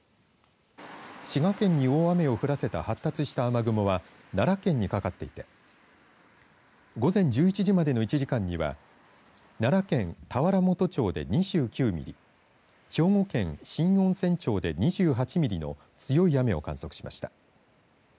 滋賀県に大雨を降らせた発達した雨雲は奈良県にかかっていて午前１１時までの１時間には奈良県田原本町で２９ミリ兵庫県新温泉町で２８ミリの強い雨を観測しました。